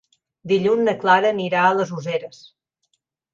Dilluns na Clara anirà a les Useres.